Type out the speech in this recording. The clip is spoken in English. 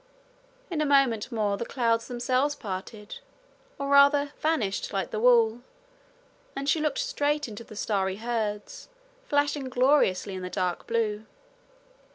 In a moment more the clouds themselves parted, or rather vanished like the wall, and she looked straight into the starry herds, flashing gloriously in the dark blue.